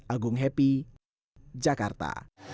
agung happy jakarta